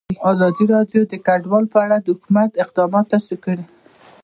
ازادي راډیو د کډوال په اړه د حکومت اقدامات تشریح کړي.